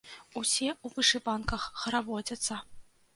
Усе ў вышыванках хараводзяцца.